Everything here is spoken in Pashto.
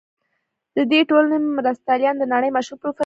د دې ټولنې مرستیالان د نړۍ مشهور پروفیسوران دي.